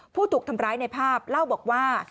ผู้ถูกทำร้ายในภาพเล่าบอกว่า